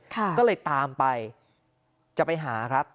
ก็เลยตามไปจะไปหาครับ